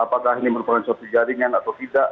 apakah ini merupakan suatu jaringan atau tidak